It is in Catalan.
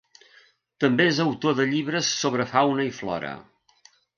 També és autor de llibres sobre fauna i flora.